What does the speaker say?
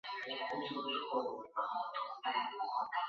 拉贡公路可以直达该寺。